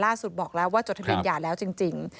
ล่าสุดบอกแล้วว่าจดทางเทียมหย่าแล้วจริง